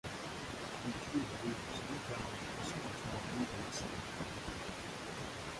We true believers do gouge so much more infamously here.